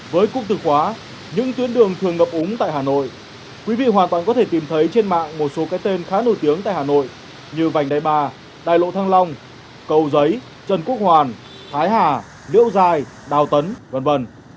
với cụm từ khóa những tuyến đường thường ngập úng tại hà nội quý vị hoàn toàn có thể tìm thấy trên mạng một số cái tên khá nổi tiếng tại hà nội như vành đai ba đài lộ thăng long cầu giấy trần quốc hoàn thái hà liễu giai đào tấn v v